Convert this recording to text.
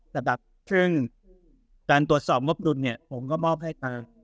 สำหรับการตรวจสอบมอบดุลเนี้ยผมก็มอบให้ครับ